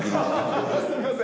すみません。